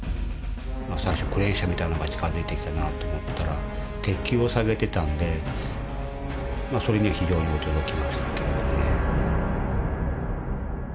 最初クレーン車みたいのが近づいてきたなと思ったら鉄球を下げてたんでそれには非常に驚きましたけれどもね。